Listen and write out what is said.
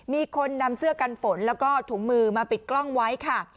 มีคนนำเสื้อกันฝนแล้วก็ถุงมือมาปิดกล้องไว้ค่ะ